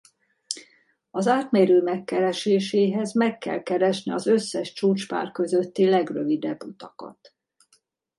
Az átmérő megkereséséhez meg kell keresni az összes csúcspár közötti legrövidebb utakat.